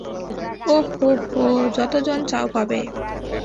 ও হো হো,, যতজন চাও পাবে।